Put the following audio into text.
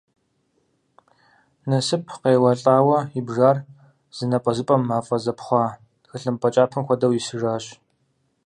Нэсып къеуэлӏауэ ибжар, зы напӏэзыпӏэм мафӏэ зэпхъуа тхылымпӏэ кӏапэм хуэдэу исыжащ.